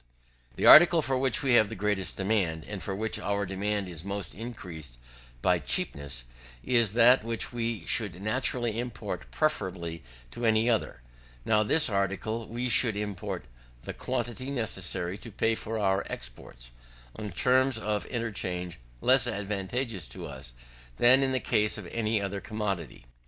The article for which we have the greatest demand, and for which our demand is most increased by cheapness, is that which we should naturally import preferably to any other; now of this article we should import the quantity necessary to pay for our exports, on terms of interchange less advantageous to us than in the case of any other commodity.